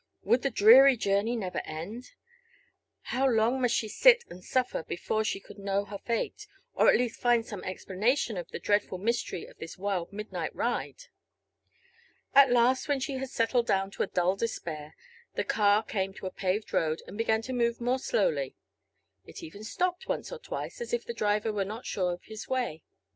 Would the dreary journey never end? How long must she sit and suffer before she could know her fate, or at least find some explanation of the dreadful mystery of this wild midnight ride? At last, when she had settled down to dull despair, the car came to a paved road and began to move more slowly. It even stopped once or twice, as if the driver was not sure of his way.